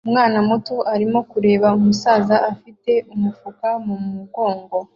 Umwana muto arimo kureba umusaza afite umufuka mu mugongo